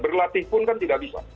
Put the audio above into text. berlatih pun kan tidak bisa